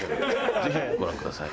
ぜひご覧ください。